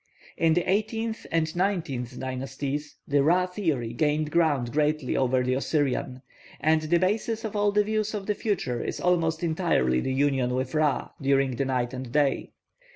In the eighteenth and nineteenth dynasties the Ra theory gained ground greatly over the Osirian; and the basis of all the views of the future is almost entirely the union with Ra during the night and day.